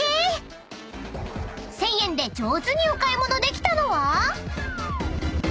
［１，０００円で上手にお買い物できたのは？］